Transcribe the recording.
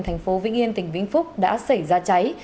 thành phố vĩnh yên tỉnh vĩnh phúc đã xảy ra cháy